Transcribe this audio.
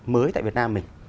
mới tại việt nam mình